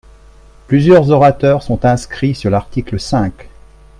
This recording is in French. Plusieurs orateurs sont inscrits sur l’article cinq.